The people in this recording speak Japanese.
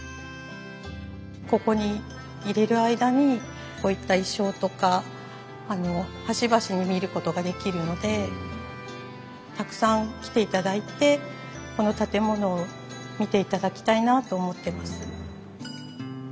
ここにいれる間にこういった意匠とか端々に見ることができるのでたくさん来ていただいてこの建物を見ていただきたいなと思ってます。